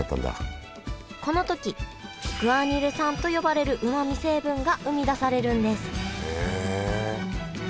この時グアニル酸と呼ばれるうまみ成分が生み出されるんです。